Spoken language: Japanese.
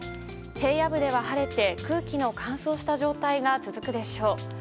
平野部では晴れて空気の乾燥した状態が続くでしょう。